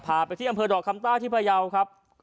พาไปที่อำเภอดอกคำใต้ที่พยาวครับ